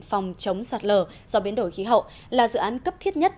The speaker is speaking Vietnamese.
phòng chống sạt lở do biến đổi khí hậu là dự án cấp thiết nhất